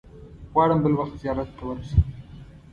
غواړم بل وخت زیارت ته ورشم.